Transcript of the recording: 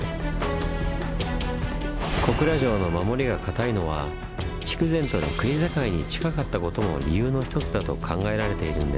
小倉城の守りが堅いのは筑前との国境に近かったことも理由の一つだと考えられているんです。